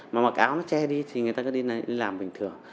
mà mặc áo nó che đi thì người ta đi làm bình thường